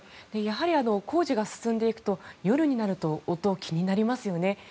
工事が進んでいくと夜になると音が気になりますよね。